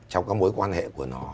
trong các mối quan hệ của nó